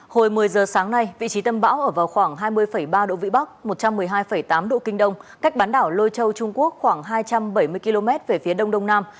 hồi một mươi giờ sáng nay vị trí tâm bão ở vào khoảng hai mươi ba độ vĩ bắc một trăm một mươi hai tám độ kinh đông cách bán đảo lôi châu trung quốc khoảng hai trăm bảy mươi km về phía đông đông nam